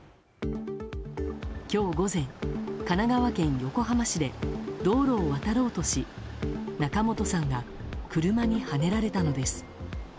今日午前、神奈川県横浜市で道路を渡ろうとし仲本さんが車にはねられたのです。